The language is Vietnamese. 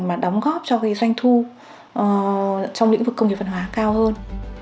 mà đóng góp cho doanh thu trong lĩnh vực công nghiệp văn hóa cao hơn